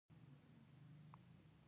واکمني ظالمه او مستبده وه.